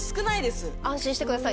安心してください。